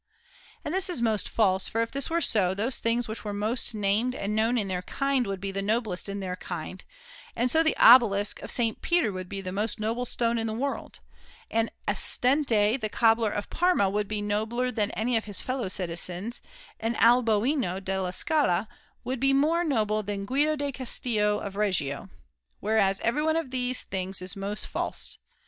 And this is most false ; for if this were so, those things which were most named and known in their kind would be noblest in their kind ; and so the obelisk of St. Peter would be the most noble stone in the world ; and [yoj Asdente the cobbler of Parma would be nobler than any of his fellow citizens ; and Alboino della Scala would be more noble than Guido da Castello of Reggio ; whereas every one of these things is most false.